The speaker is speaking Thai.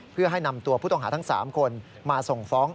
เพื่อให้นำตัวผู้ต้องหาทั้ง๓คนมาส่งฟ้อง